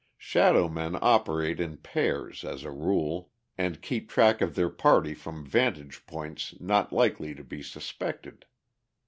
Shadow men operate in pairs, as a rule, and keep track of their party from vantage points not likely to be suspected.